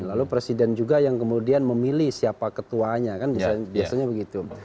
lalu presiden juga yang kemudian memilih siapa ketuanya kan biasanya begitu